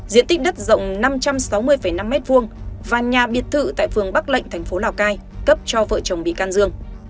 diện tích đất rộng năm trăm sáu mươi năm m hai và nhà biệt thự tại phường bắc lệnh thành phố lào cai cấp cho vợ chồng bị can dương